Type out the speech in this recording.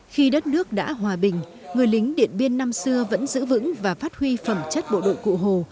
khi đất nước đã hòa bình người lính điện biên năm xưa vẫn giữ vững và phát huy phẩm chất bộ đội cụ hồ